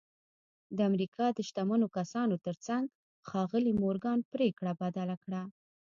د امریکا د شتمنو کسانو ترڅنګ ښاغلي مورګان پرېکړه بدله کړه